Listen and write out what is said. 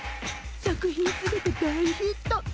作品全て大ヒット。